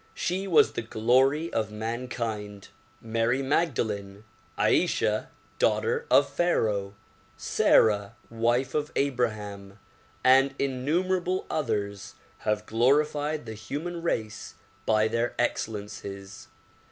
She was the glory of mankind. Mary Magdalene, Ayeshah daughter of Pharaoh, Sarah wife of Abraham and innumerable others have glorified the human race by their excellences.